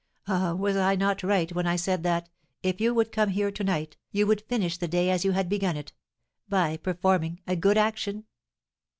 Ah, was I not right when I said that, if you would come here to night, you would finish the day as you had begun it, by performing a good action?"